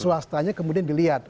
swastanya kemudian dilihat